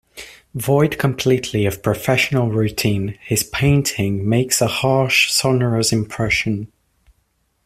Void completely of professional routine, his painting makes a harsh, sonorous impression.